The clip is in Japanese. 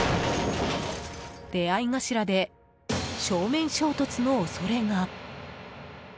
出合い頭で正面衝突の恐れが。